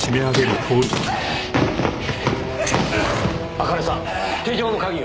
茜さん手錠の鍵を。